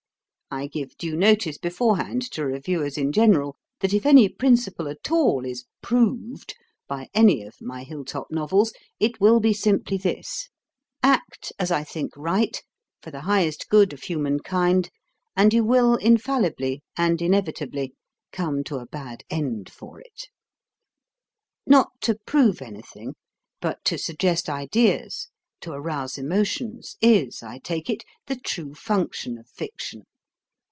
I give due notice beforehand to reviewers in general, that if any principle at all is "proved" by any of my Hill top Novels, it will be simply this: "Act as I think right, for the highest good of human kind, and you will infallibly and inevitably come to a bad end for it." Not to prove anything, but to suggest ideas, to arouse emotions, is, I take it, the true function of fiction.